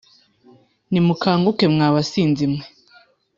Nimukanguke, mwa basinzi mwe,